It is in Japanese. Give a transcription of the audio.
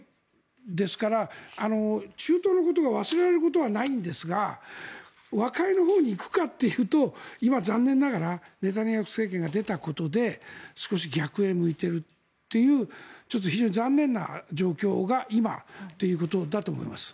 ですから、中東のことが忘れられることはないんですが和解のほうに行くかというと今、残念ながらネタニヤフ政権が出たことで少し逆へ向いているという非常に残念な状況が今ということだと思います。